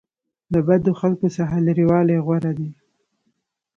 له بدو خلکو څخه لرې والی غوره دی.